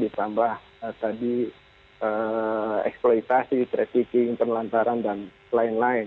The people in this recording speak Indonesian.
ditambah tadi eksploitasi trafficking penelantaran dan lain lain